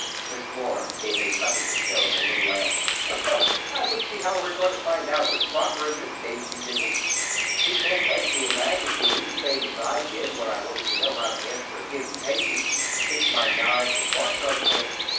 Miss Flora gave a sudden hysterical little laugh. "Well, I don't see how we're going to find out what's proper, in this case," she giggled. "We can't write to a magazine, same as I did when I wanted to know how to answer invitations and fix my knives and forks on the table.